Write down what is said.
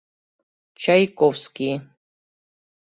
— Чайковский.